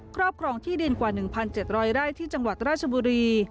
ครอบครองที่ดินกว่า๑๗๐๐ไร่ที่จังหวัดราชบุรี